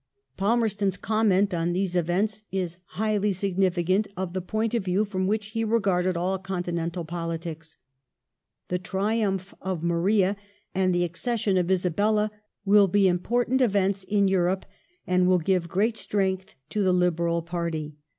Palmer ston's comment on these events is highly significant of the point of view from which he regarded all continental politics. " The triumph of Maria and the accession of Isabella will be important events in Europe, and will give great strength to the Liberal party."